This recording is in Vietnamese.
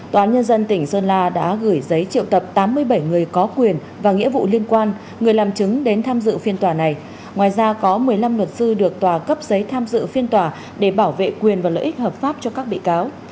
tòa án nhân dân tỉnh sơn la đã gửi giấy triệu tập tám mươi bảy người có quyền và nghĩa vụ liên quan người làm chứng đến tham dự phiên tòa này ngoài ra có một mươi năm luật sư được tòa cấp giấy tham dự phiên tòa để bảo vệ quyền và lợi ích hợp pháp cho các bị cáo